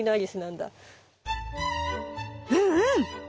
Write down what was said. うんうん。